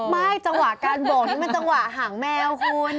ไม่จังหวะการโบกนี่มันจังหวะหางแมวคุณ